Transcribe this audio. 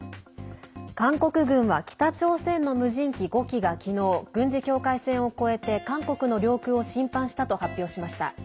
韓国軍は北朝鮮の無人機５機が昨日、軍事境界線を越えて韓国の領空を侵犯したと発表しました。